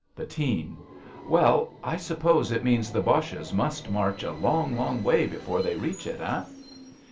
Bettine. Well, I suppose it means the Boches must march A long, long way before they reach it, eh?